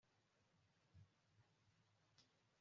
Ngomba kwemera ko nibeshye